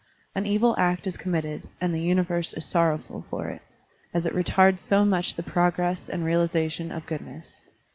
An evil act is committed, and the universe is sorrowful for it, as it retards so much the progress and realization of goodness.